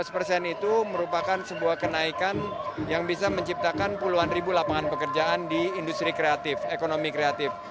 lima belas persen itu merupakan sebuah kenaikan yang bisa menciptakan puluhan ribu lapangan pekerjaan di industri kreatif ekonomi kreatif